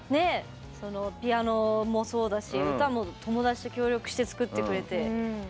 ピアノもそうだし歌も友達と協力して作ってくれて。